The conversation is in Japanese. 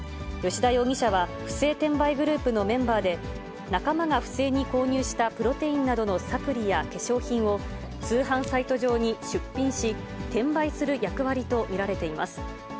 吉田容疑者は不正転売グループのメンバーで、仲間が不正に購入したプロテインなどのサプリや化粧品を、通販サイト上に出品し、転売する役割と見られています。